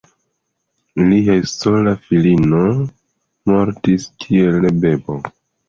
Ilia sola filino mortis kiel bebo.